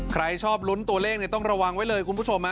ใครชอบลุ้นตัวเลขต้องระวังไว้เลยคุณผู้ชม